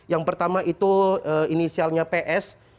yang pertama itu inisialnya ps